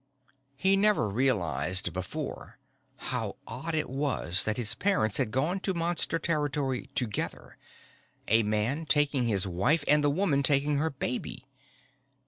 _ He had never realized before how odd it was that his parents had gone to Monster territory together, a man taking his wife and the woman taking her baby!